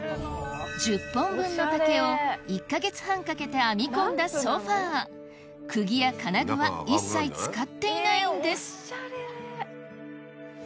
１０本分の竹を１か月半かけて編み込んだ釘や金具は一切使っていないんですおしゃれ。